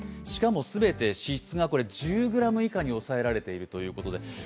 全て脂質が１０ｇ以下に抑えられているということで。